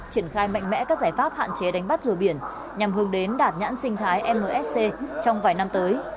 triển khai mạnh mẽ các giải pháp hạn chế đánh bắt rùa biển nhằm hướng đến đạt nhãn sinh thái msc trong vài năm tới